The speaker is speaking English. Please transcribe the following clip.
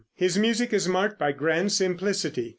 His music is marked by grand simplicity.